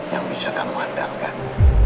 yang bisa kamu andalkan